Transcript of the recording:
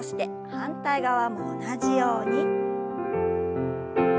反対側も同じように。